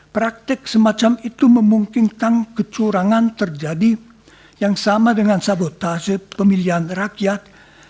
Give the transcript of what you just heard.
praktek semacam itu memungkinkan kecurangan terjadi yang sama dengan sabotase pemilihan rakyat